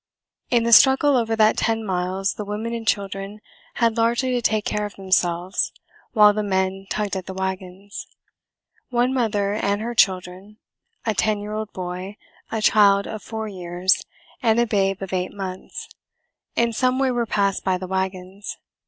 In the struggle over that ten miles the women and children had largely to take care of themselves while the men tugged at the wagons. One mother and her children, a ten year old boy, a child of four years, and a babe of eight months, in some way were passed by the wagons.